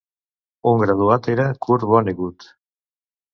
Un graduat era Kurt Vonnegut.